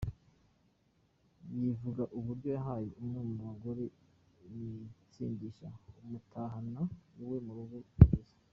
yivuga uburyo yahaye umwe mu bagore ibisindisha amutahana iwe mu rugo kugeza.